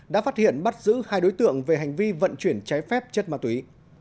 đã phát hiện bắt giữ hai đối tượng về hành vi vận chuyển trái phép chất ma túy